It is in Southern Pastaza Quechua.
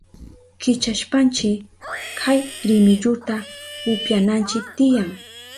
Kichashpanchi kay rimilluta upyananchi tiyan.